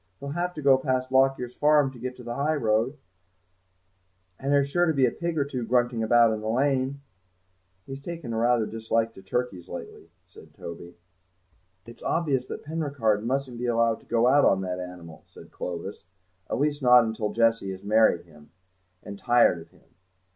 He'll have to go past Lockyer's farm to get to the high road, and there's sure to be a pig or two grunting about in the lane." "He's taken rather a dislike to turkeys lately," said Toby. "It's obvious that Penricarde mustn't be allowed to go out on that animal," said Clovis, "at least not till Jessie has married him, and tired of him.